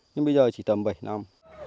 nhưng bây giờ chỉ tầm bảy năm